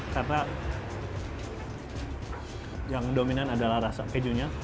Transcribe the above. karena yang dominan adalah rasa kejunya